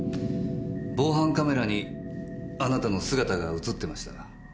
防犯カメラにあなたの姿が映ってました。